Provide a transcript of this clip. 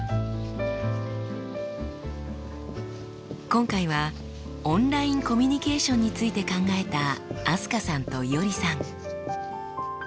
今回はオンラインコミュニケーションについて考えた飛鳥さんといおりさん。